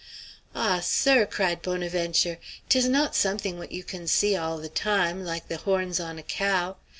"Ah, sir!" cried Bonaventure, "'tis not something what you can see all the time, like the horns on a cow!